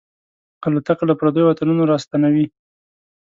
الوتکه له پردیو وطنونو راستنوي.